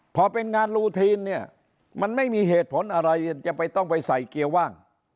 พอเป็นงานลูทีนเนี่ยมันไม่มีเหตุผลอะไรจะไปต้องไปใส่เกียร์ว่าง